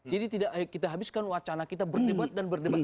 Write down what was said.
jadi tidak kita habiskan wacana kita berdebat dan berdebat